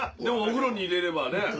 でもお風呂に入れればね。